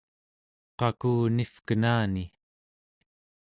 qakunivkenani